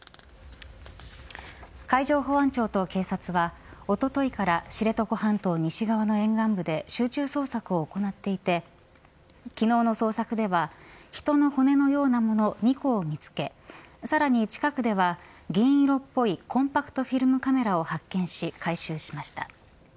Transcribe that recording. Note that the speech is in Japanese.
海上保安庁と警察はおとといから知床半島西側の沿岸部で集中捜索を行っていて昨日の捜索では人の骨のようなもの２個を見つけ、さらに近くでは銀色っぽいコンパクトフィルムカメラを発見し回収しました。